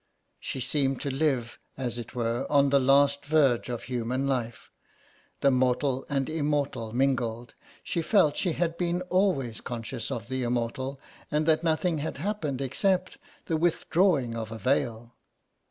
She seemed to live, as it were, on the last verge of human life; the mortal and the immortal mingled ; she felt she had been always conscious of the immortal, and that nothing had happened except the withdrawing of a veil.